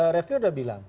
refil sudah bilang